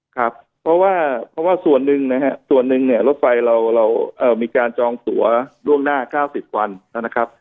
ครับเพราะว่าเพราะว่าส่วนหนึ่งนะครับส่วนหนึ่งเนี่ยรถไฟเรามีการจองตัวล่วงหน้า๙๐วันนะครับ